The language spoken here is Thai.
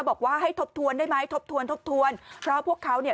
บอกว่าให้ทบทวนได้ไหมทบทวนทบทวนเพราะพวกเขาเนี่ย